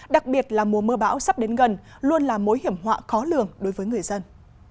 đặc biệt là mùa mưa bão sắp đến gần luôn là mối hiểm họa khó lường đối với người dân